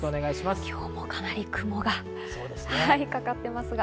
今日もかなり雲がかかってますね。